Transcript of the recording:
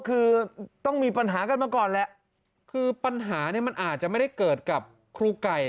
คือต้องมีปัญหากันมาก่อนแหละคือปัญหาเนี่ยมันอาจจะไม่ได้เกิดกับครูไก่